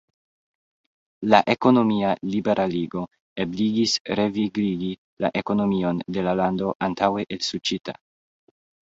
La ekonomia liberaligo ebligis revigligi la ekonomion de la lando antaŭe elsuĉita.